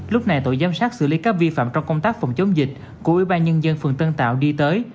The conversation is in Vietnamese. lúc này tội giám sát xử lý các vi phạm trong công tác phòng chống dịch của ủy ban nhân dân phường tân tạo đi tới